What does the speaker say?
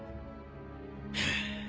ハァ。